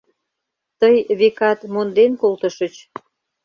Тый, векат, монден колтышыч